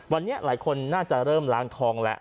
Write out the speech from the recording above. วันนี้หลายคนน่าจะเริ่มล้างทองแล้ว